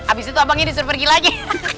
abis itu abang ini disuruh pergi lagi